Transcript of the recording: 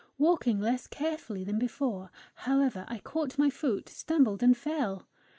Walking less carefully than before, however, I caught my foot, stumbled, and fell.